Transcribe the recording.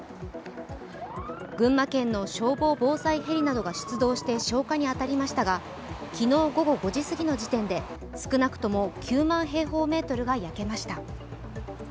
群馬県の消防防災ヘリなどが出動して消火に当たりましたが昨日午後５時過ぎの時点で、少なくとも９万平方メートルが焼けました。